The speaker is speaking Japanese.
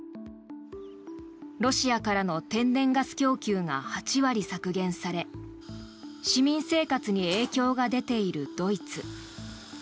ロシアからの天然ガス供給が８割削減され市民生活に影響が出ているドイツ。